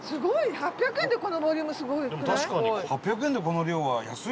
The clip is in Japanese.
８００円でこのボリュームすごくない？